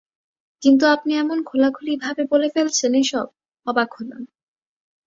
কিন্তু আপনি এমন খোলাখুলি ভাবে বলে ফেলছেন এসব, অবাক হলাম।